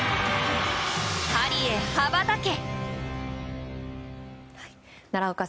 パリへ羽ばたけ！